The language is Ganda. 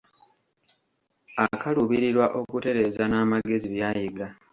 Akaluubirirwa okutereeza n'amagezi by'ayiga.